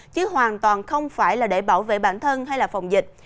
chứ hoàn toàn không phải là để bảo vệ bản thân hay là phòng dịch